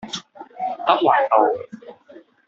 德雲道